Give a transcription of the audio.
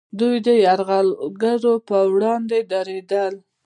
دوی د یرغلګرو پر وړاندې دریدل